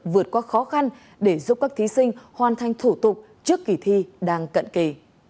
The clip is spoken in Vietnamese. vượt qua khó khăn để giúp các thí sinh hoàn thành thủ tục trước kỳ thi đang cận kề